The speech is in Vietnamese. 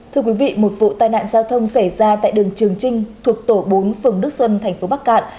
thưa quý vị một vụ tai nạn giao thông xảy ra tại đường trường trinh thuộc tổ bốn phường đức xuân tp bắc cạn